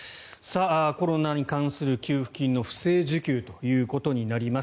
コロナに関する給付金の不正受給ということになります。